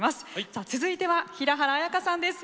さあ続いては平原綾香さんです